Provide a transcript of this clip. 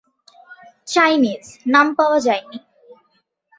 Chinese: নাম পাওয়া যায়নি।